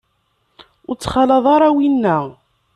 Ur ttxalaḍ ara winna.